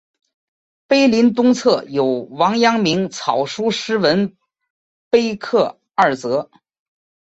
碑体东侧有王阳明草书诗文碑刻二则。